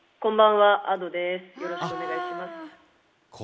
よろしくお願いします。